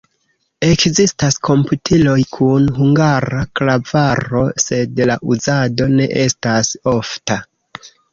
Ekzistas komputiloj kun hungara klavaro, sed la uzado ne estas ofta.